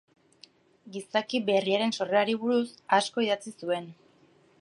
Gizaki berriaren sorrerari buruz asko idatzi zuen.